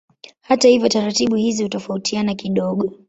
Hata hivyo taratibu hizi hutofautiana kidogo.